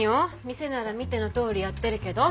店なら見てのとおりやってるけど。